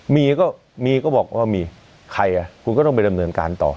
มีก็มีก็บอกว่ามีใครอ่ะคุณก็ต้องไปดำเนินการต่อ